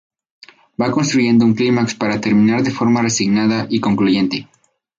Va construyendo un clímax para terminar de forma resignada y concluyente.